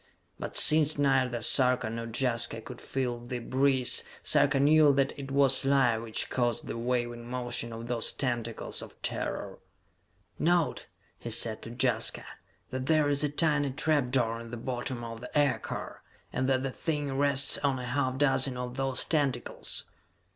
But since neither Sarka nor Jaska could feel the breeze, Sarka knew that it was life which caused the waving motion of those tentacles of terror. "Note," he said to Jaska, "that there is a tiny trap door in the bottom of the aircar, and that the thing rests on a half dozen of those tentacles!"